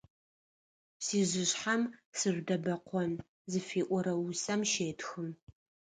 «Сижъышъхьэм сыжъудэбэкъон» зыфиӏорэ усэм щетхы.